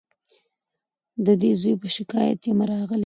د دې زوی په شکایت یمه راغلې